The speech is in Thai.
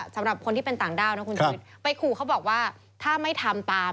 สำหรับคนที่เป็นต่างด้าวนะคุณชุวิตไปขู่เขาบอกว่าถ้าไม่ทำตาม